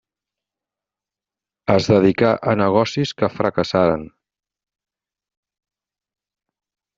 Es dedicà a negocis que fracassaren.